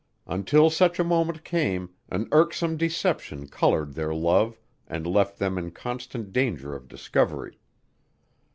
Until such a moment came an irksome deception colored their love and left them in constant danger of discovery.